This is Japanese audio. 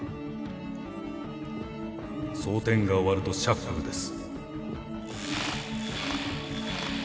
装てんが終わるとシャッフルです。